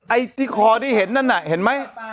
ไอ้ที่คอที่เห็นนั่นน่ะเห็นไหม